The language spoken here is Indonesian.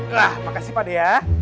lah makasih pak deh ya